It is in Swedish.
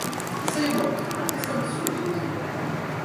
Säger doktorn, att det ska bli slut?